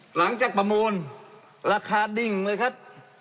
หลังจากประมูลราคาดิ่งเลยครับ